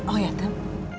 oh ya tem